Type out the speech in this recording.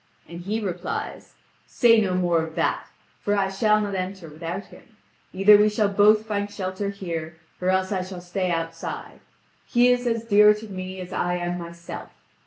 And he replies: "Say no more of that! For I shall not enter without him. Either we shall both find shelter here or else I shall stay outside; he is as dear to me as I am myself.